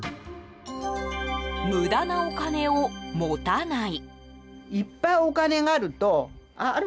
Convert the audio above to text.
無駄なお金を持たない。